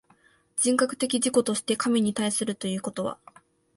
人格的自己として神に対するということは、